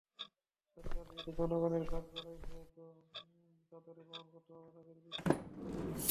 সরকার যেহেতু জনগণের কাঠগড়ায়, সেহেতু তাদেরকেই প্রমাণ করতে হবে তাদের বিশ্বাসযোগ্যতা।